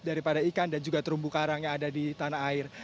daripada ikan dan juga terumbu karang yang ada di tanah air